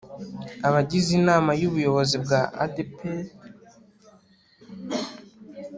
Abagize Inama y Ubuyobozi bwa ADEPR